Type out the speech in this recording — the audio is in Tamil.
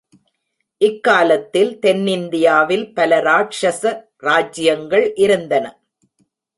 இக்காலத்தில் தென்னிந்தியாவில் பல ராக்ஷச ராஜ்யங்கள் இருந்தன.